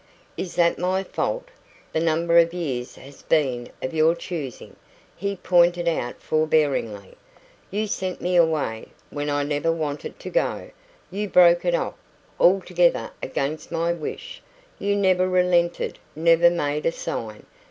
"Is that my fault? The number of years has been of your choosing," he pointed out forbearingly. "You sent me away, when I never wanted to go. You broke it off, altogether against my wish. You never relented never made a sign.